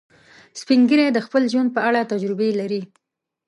سپین ږیری د خپل ژوند په اړه تجربې لري